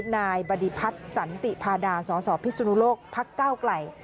นายบริพัฒน์สันติพาดาสสพิสุนุโลกพักเก้าไกล